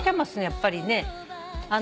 やっぱりね。